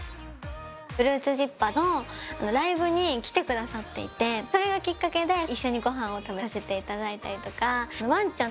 ＦＲＵＩＴＳＺＩＰＰＥＲのライブに来てくださっていてそれがきっかけで一緒にご飯を食べさせていただいたりとかワンちゃん